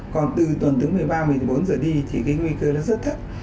còn từ tuần thứ một mươi ba một mươi bốn giờ đi thì cái nguy cơ nó rất thấp